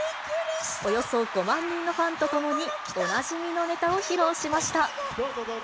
およそ５万人のファンと共に、おなじみのネタを披露しました。